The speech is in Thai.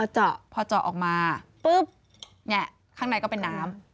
จ่ะพอจ่ะออกมาปุ๊บอย่างนี้ข้างในก็เป็นน้ำ